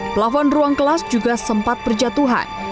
pelafon ruang kelas juga sempat berjatuhan